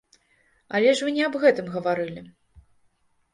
Але вы ж не аб гэтым гаварылі.